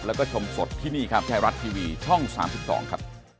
แล้วก็ชมสดที่นี่ครับไทยรัสทีวีช่องสามสิบสองครับ